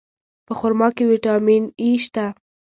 په خرما کې ویټامین E شته.